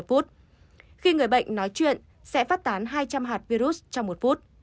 đối với số lượng virus khi người bệnh nói chuyện sẽ phát tán hai trăm linh hạt virus trong một phút